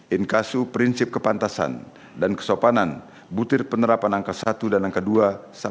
inkasu prinsip kepantasan dan kesopanan butir penerapan angka satu dan angka dua satu